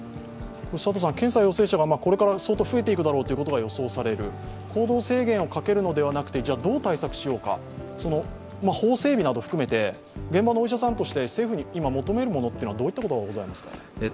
検査陽性者がこれから相当増えていくだろうと予想される、行動制限をかけるのではなくて、どう対策しようか、法整備など含めて現場のお医者さんとして政府に今求めるものは、どういったことがございますか。